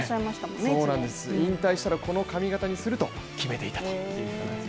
引退したら、この髪形にすると決めていたということです。